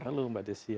halo mbak desia